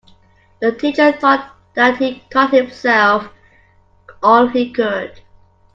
The teacher thought that he'd taught himself all he could.